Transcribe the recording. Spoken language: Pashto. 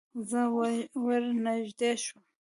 زه ور نږدې شوم.